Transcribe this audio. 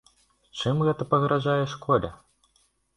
Чым гэта пагражае школе?